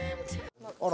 あら。